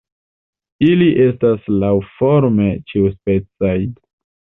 Ili estas laŭforme ĉiuspecaj.